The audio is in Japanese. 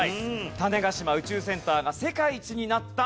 種子島宇宙センターが世界一になったものです。